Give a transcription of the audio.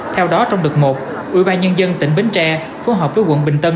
theo đó trong đợt một ủy ban nhân dân tỉnh bến tre phối hợp với quận bình tân